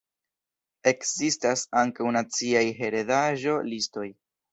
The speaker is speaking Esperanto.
Ekzistas ankaŭ naciaj heredaĵo-listoj.